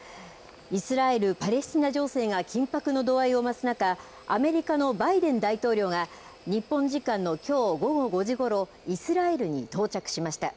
イスラエル・パレスチナ情勢が緊迫の度合いを増す中、アメリカのバイデン大統領が、日本時間のきょう午後５時ごろ、イスラエルに到着しました。